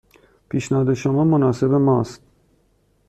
پیشنهاد شما مناسب ما است.